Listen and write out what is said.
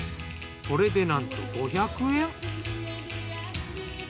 これでなんと５００円。